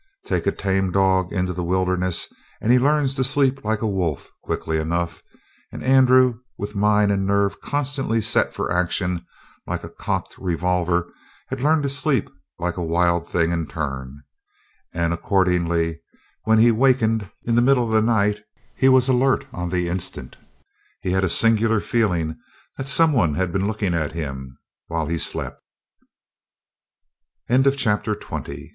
Take a tame dog into the wilderness and he learns to sleep like a wolf quickly enough; and Andrew, with mind and nerve constantly set for action like a cocked revolver, had learned to sleep like a wild thing in turn. And accordingly, when he wakened in the middle of the night, he was alert on the instant. He had a singular feeling that someone had been looking at him while he slept. CHAPTER 21 First of all, naturally, he looked at